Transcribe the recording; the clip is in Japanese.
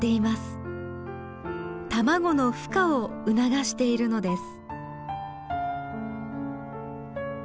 卵のふ化を促しているのです。